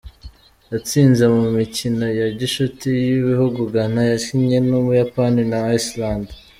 Yatsinze mu mikino ya gicuti y'ibihugu Ghana yakinnye n'Ubuyapani na Iceland.